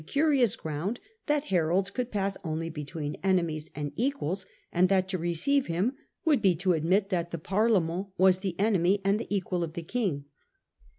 curious ground that heralds could pass only between enemies and equals, and that to receive him would be to admit that the Parlement was the enemy and the equal of the King.